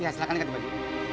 ya silahkan ganti baju